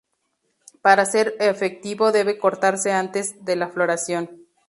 Para ser efectivo debe cortarse antes de la floración.